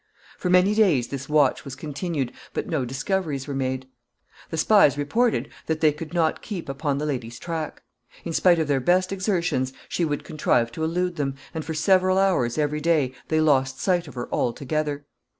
For many days this watch was continued, but no discoveries were made. The spies reported that they could not keep upon the lady's track. In spite of their best exertions she would contrive to elude them, and for several hours every day they lost sight of her altogether.